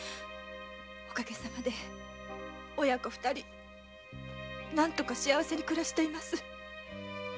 お陰様で親子二人何とか幸せに暮らしています。